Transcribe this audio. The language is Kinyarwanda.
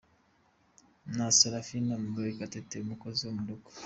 – na Serafina Murekatete, umukozi wo mu rugo